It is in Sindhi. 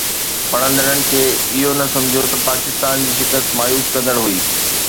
پڙهندڙن کي اهو نه سمجهيو ته پاڪستان جي شڪست مايوس ڪندڙ هئي